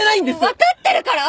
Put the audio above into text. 分かってるから！